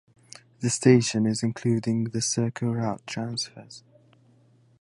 This station is including the CircleRoute transfers.